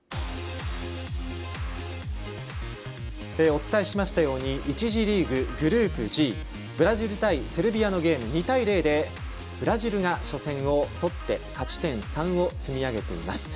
お伝えしましたように１次リーググループＧブラジル対セルビアのゲーム２対０でブラジルが初戦をとって勝ち点３を積み上げています。